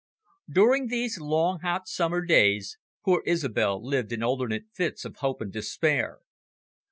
During these hot summer days, poor Isobel lived in alternate fits of hope and despair.